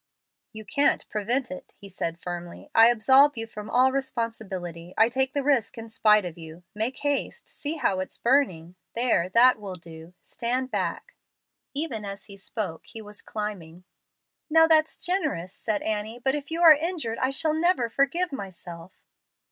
"You can't prevent it," said he, firmly. "I absolve you from all responsibility. I take the risk in spite of you. Make haste see how it's burning. There, that will do. Stand back." Even as he spoke he was climbing. "Now that's generous," said Annie; "but if you are injured, I shall never forgive myself."